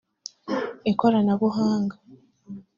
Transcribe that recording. ikoranabuhhanga